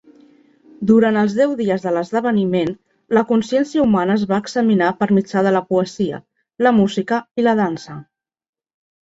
Durant els deu dies de l'esdeveniment, la consciència humana es va examinar per mitjà de la poesia, la música i la dansa.